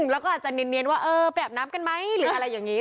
แล้วก็อาจจะเนียนว่าเออไปอาบน้ำกันไหมหรืออะไรอย่างนี้